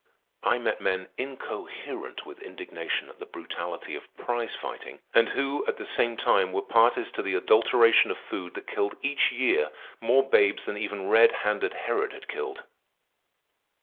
I met men incoherent with indignation at the brutality of prize fighting, and who, at the same time, were parties to the adulteration of food that killed each year more babes than even red handed Herod had killed.